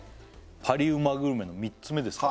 パリうまグルメの３つ目です